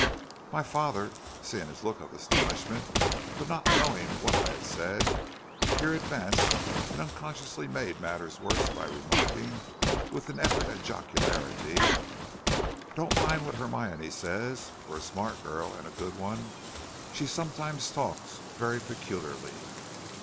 "My father, seeing his look of astonishment, but not knowing what I had said, here advanced and unconsciously made matters worse by remarking, with an effort at jocularity: "'Don't mind what Hermione says; for a smart girl and a good one, she sometimes talks very peculiarly.'